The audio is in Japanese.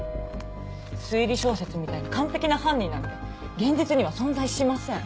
推理小説みたいな完璧な犯人なんて現実には存在しません。